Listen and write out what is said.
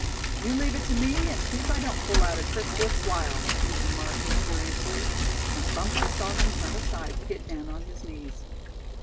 "You leave it to me, and see if I don't pull out a trick worth while," he remarked mysteriously; and Bumpus saw him turn aside to get down on his knees.